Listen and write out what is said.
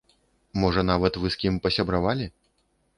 Можа, нават вы з кім пасябравалі?